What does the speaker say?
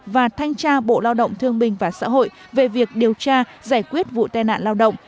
và thanh tra bộ lao động thương minh và xã hội về việc điều tra giải quyết vụ tai nạn lao động